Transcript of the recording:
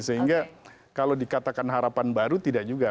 sehingga kalau dikatakan harapan baru tidak juga